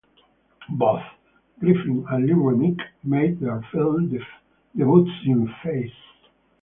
Both Griffith and Lee Remick made their film debuts in "Face".